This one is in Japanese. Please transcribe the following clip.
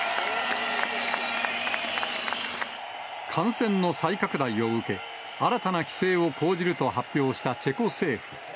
感染の再拡大を受け、新たな規制を講じると発表したチェコ政府。